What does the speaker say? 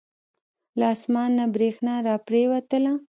له اسمان نه بریښنا را پریوتله.